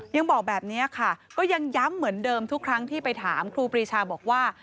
ยังบอกแบบนี้ค่ะก็ยังย้ำเหมือนเดิมทุกครั้งที่ไปถามครูปรีชาบอกว่า